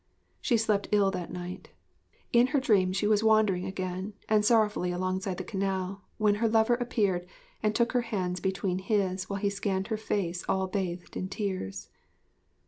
She slept ill that night. In her dream she was wandering again and sorrowfully alongside the canal when her lover appeared and took her hands between his while he scanned her face all bathed in tears.